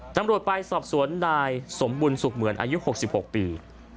ตำรวจไปสอบสวนนายสมบุญสุขเหมือนอายุ๖๖ปี